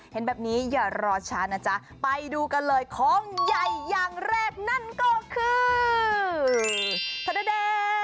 เห็นแบบนี้อย่ารอช้านะจ๊ะไปดูกันเลยของใหญ่อย่างแรกนั่นก็คือธนเดช